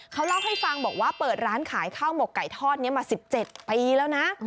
เขาเล่าให้ฟังบอกว่าเปิดร้านขายข้าวหมกไก่ทอดนี้มา๑๗ปีแล้วนะ